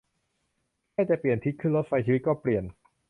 แค่เปลี่ยนทิศขึ้นรถไฟ ชีวิตก็เปลี่ยน